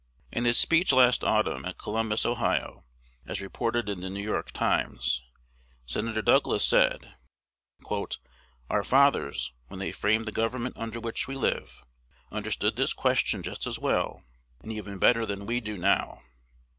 In his speech last autumn, at Columbus, Ohio, as reported in "The New York Times," Senator Douglas said, "Our fathers, when they framed the government under which we live, understood this question just as well, and even better than we do now."